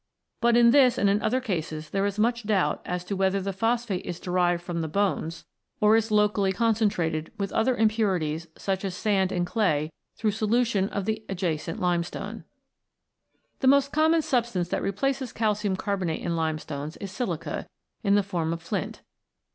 But in this and in other cases there is much doubt as to whether the phosphate is derived from the bones, or 38 ROCKS AND THEIR ORIGINS [CH. is locally concentrated, with other impurities, such as sand and clay, through solution of the adjacent limestone. The most common substance that replaces calcium carbonate in limestones is silica, in the form of Flint.